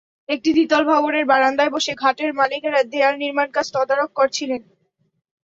একটি দ্বিতল ভবনের বারান্দায় বসে ঘাটের মালিকেরা দেয়াল নির্মাণকাজ তদারক করছিলেন।